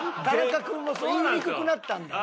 田中君も言いにくくなったんだ。